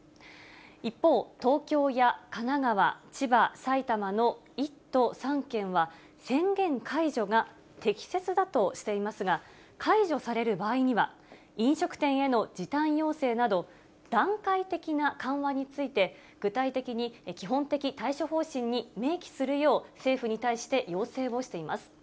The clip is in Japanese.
一方、東京や神奈川、千葉、埼玉の１都３県は、宣言解除が適切だとしていますが、解除される場合には、飲食店への時短要請など、段階的な緩和について、具体的に基本的対処方針に明記するよう政府に対して要請をしています。